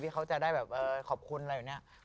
พี่เขาจะได้ขอบคุณอะไรอย่างนี้